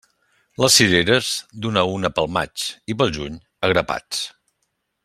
Les cireres, d'una a una pel maig, i pel juny, a grapats.